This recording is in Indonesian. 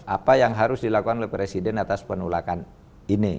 apa yang harus dilakukan oleh presiden atas penolakan ini